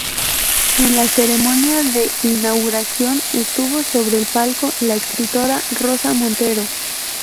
En la ceremonia de inauguración estuvo sobre el palco la escritora Rosa Montero.